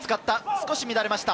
少し乱れました。